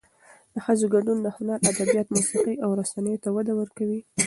د ښځو ګډون هنر، ادبیات، موسیقي او رسنیو ته وده ورکوي.